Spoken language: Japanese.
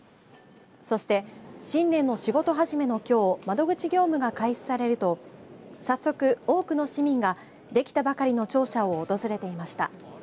そして新年の仕事始めのきょう窓口業務が開始されると早速、多くの市民ができたばかりの庁舎を訪れていました。